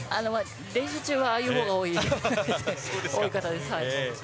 練習中はああいうほうが多い方です。